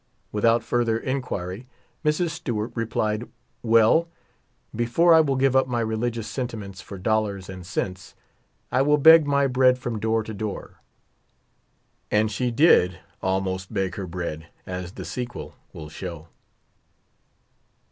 Without further inquiry Mrs, Stewart replied: "Well, before I will give up my religious sentiments for dollars and cents I will beg my bread from door to door." And she did almost beg her bread, as the sequel will show.